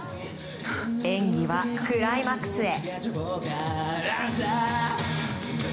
演技はクライマックスへ。